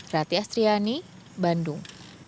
rati astriani bandung